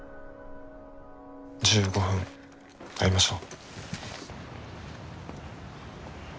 １５分会いましょう。